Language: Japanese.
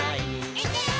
「いくよー！」